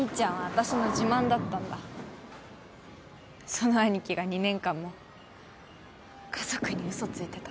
そのアニキが２年間も家族に嘘ついてた。